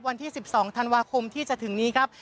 วันที่๑๒ธันวาคมที่จะถึงนี้ครับ